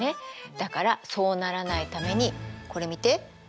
だからそうならないためにこれ見て。